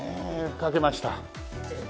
書けました。